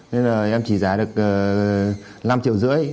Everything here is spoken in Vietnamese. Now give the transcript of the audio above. nên là em chỉ giá được năm triệu rưỡi